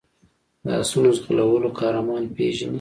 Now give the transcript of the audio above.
د آسونو ځغلولو قهرمان پېژني.